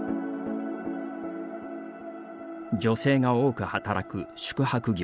女性が多く働く、宿泊業。